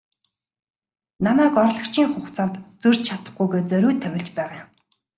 Намайг орлогчийн хугацаанд зөрж чадахгүй гээд зориуд томилж байгаа юм.